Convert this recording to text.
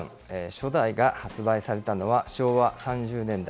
初代が発売されたのは、昭和３０年代。